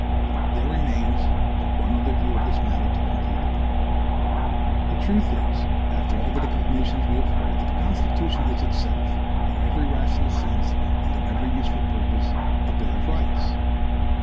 There remains but one other view of this matter to conclude the point. The truth is, after all the declamations we have heard, that the Constitution is itself, in every rational sense, and to every useful purpose, A BILL OF RIGHTS.